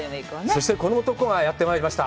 そして、この男がやってまいりました。